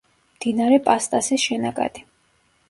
მდინარე პასტასის შენაკადი.